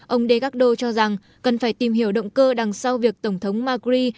ông degakdo cho rằng cần phải tìm hiểu động cơ đằng sau việc tổng thống macri